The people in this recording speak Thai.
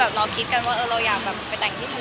เราคิดกันว่าเราอยากแบบจะแต่งที่ทะเลอ่ะฮะ